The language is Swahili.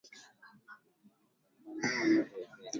amesema mbunge wa Florida Val Demingas